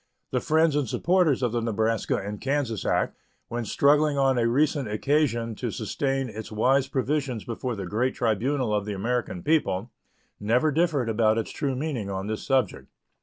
The friends and supporters of the Nebraska and Kansas act, when struggling on a recent occasion to sustain its wise provisions before the great tribunal of the American people, never differed about its true meaning on this subject.